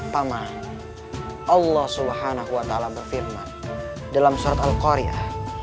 paman allah swt berfirman dalam surat al qur'an